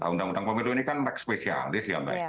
undang undang pemilu ini kan mekspesialis ya mbak